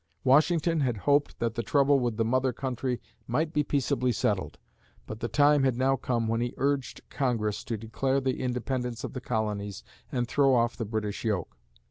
Washington had hoped that the trouble with the mother country might be peaceably settled. But the time had now come when he urged Congress to declare the independence of the colonies and throw off the British yoke.